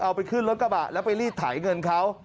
ไปขึ้นรถกระบะแล้วไปรีดไถเงินเขา